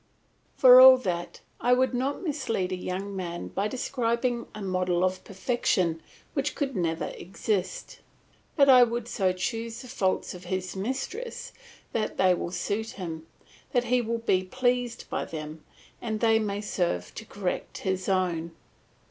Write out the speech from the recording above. For all that I would not mislead a young man by describing a model of perfection which could never exist; but I would so choose the faults of his mistress that they will suit him, that he will be pleased by them, and they may serve to correct his own.